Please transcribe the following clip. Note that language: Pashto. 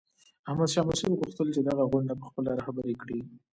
احمد شاه مسعود غوښتل چې دغه غونډه په خپله رهبري کړي.